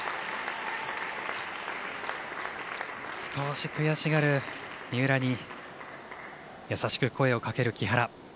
少し悔しがる三浦に優しく声をかける木原。